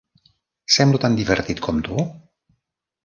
Semblo tan divertit com tu?